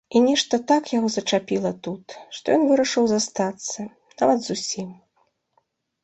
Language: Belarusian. І нешта так яго зачапіла тут, што ён вырашыў застацца, нават зусім.